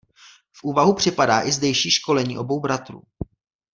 V úvahu připadá i zdejší školení obou bratrů.